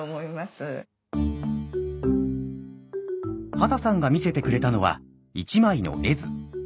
畑さんが見せてくれたのは一枚の絵図。